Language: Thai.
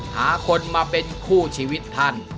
หาคนมาเป็นคู่ชีวิตท่าน